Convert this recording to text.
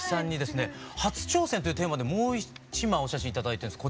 「初挑戦」っていうテーマでもう一枚お写真頂いてるんです。